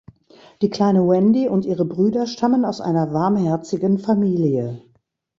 Die kleine Wendy und ihre Brüder stammen aus einer warmherzigen Familie.